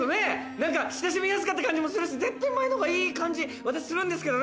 何か親しみやすかった感じもするし絶対前のほうがいい感じ私するんですけどね。